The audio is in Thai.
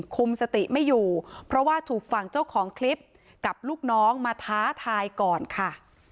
คุมสติไม่อยู่เพราะว่าถูกฝั่งเจ้าของคลิปกับลูกน้องมาท้าทายก่อนค่ะ